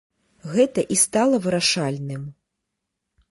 Гэта і стала вырашальным.